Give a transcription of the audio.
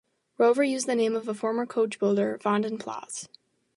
Rover used the name of a former coachbuilder, "Vanden Plas".